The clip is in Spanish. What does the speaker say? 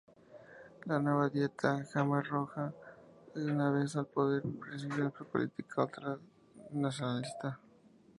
La nueva dieta jemer roja, una vez al poder, prosiguió su política ultranacionalista.